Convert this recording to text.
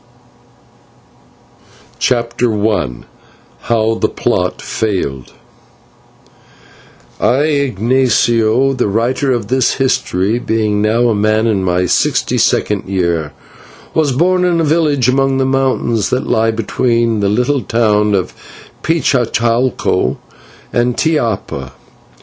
CHAPTER I HOW THE PLOT FAILED I, Ignatio, the writer of this history, being now a man in my sixty second year, was born in a village among the mountains that lie between the little towns of Pichaucalco and Tiapa.